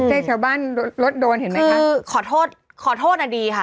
อืมคือขอโทษขอโทษอันดีค่ะ